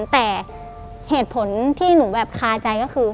แต่เหตุผลที่หนูแบบคาใจก็คือ